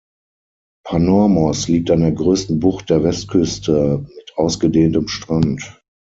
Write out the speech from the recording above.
Panormos liegt an der größten Bucht der Westküste mit ausgedehntem Strand.